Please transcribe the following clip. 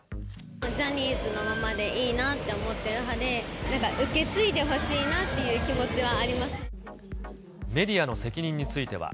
ジャニーズのままでいいなって思ってる派で、なんか受け継いでほしいなっていう気持ちはありメディアの責任については。